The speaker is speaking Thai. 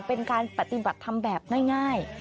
เป็นการปฏิบัติธรรมแบบง่าย